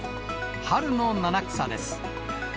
春の七草です。